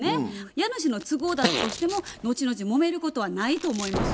家主の都合だったとしても後々もめることはないと思います。